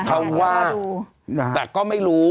เขาว่าแต่ก็ไม่รู้